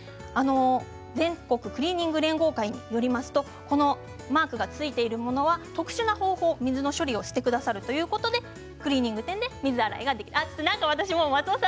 全国クリーニング連合会によるとこのマークがついているものは特殊な方法、水の処理をしてくださるということでクリーニング店で水洗いができます。